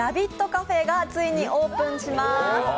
カフェがついにオープンします。